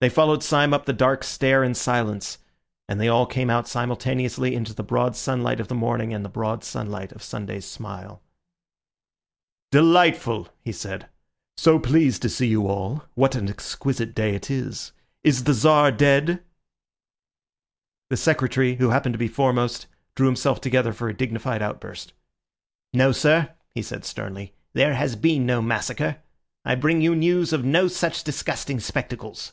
They followed Syme up the dark stair in silence, and they all came out simultaneously into the broad sunlight of the morning and the broad sunlight of Sunday's smile. "Delightful!" he said. "So pleased to see you all. What an exquisite day it is. Is the Czar dead?" The Secretary, who happened to be foremost, drew himself together for a dignified outburst. "No, sir," he said sternly "there has been no massacre. I bring you news of no such disgusting spectacles."